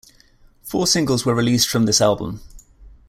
Four singles were released from this album.